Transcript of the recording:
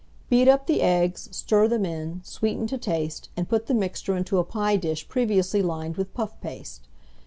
Beat up the eggs, stir them in, sweeten to taste, and put the mixture into a pie dish previously lined with puff paste.